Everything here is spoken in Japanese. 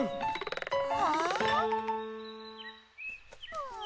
うん？